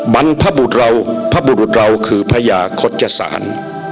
บรรพบุรุษเราคือพระยาคดศาล